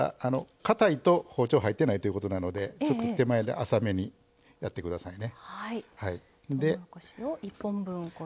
かたいと包丁が入ってないということなので手前で浅めにやってくださいね。